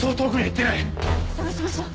捜しましょう。